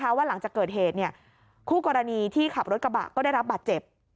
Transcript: ว่าหลังจากเกิดเหตุคู่กรณีที่ขับรถกระบะก็ได้รับบาดเจ็บ